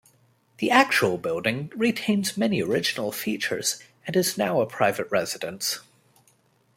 The actual building retains many original features and is now a private residence.